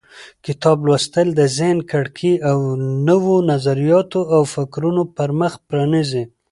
کتاب لوستل د ذهن کړکۍ د نوو نظریاتو او فکرونو پر مخ پرانیزي.